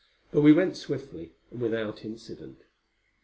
But we went swiftly, and without incident.